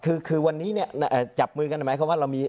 คือวันนี้เนี่ยจับมือกันหมายความว่าเรามี